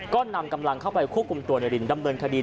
ก็นำกำลังเข้าไปคุกกลุ่มตัวนายลินดำเนินคดี